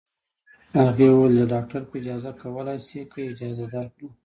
هغې وویل: د ډاکټر په اجازه کولای شې، که یې اجازه درکړه.